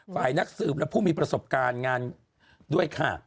ฝ่ายนักสืบและผู้มีประสบการณ์งานด้วยค่ะ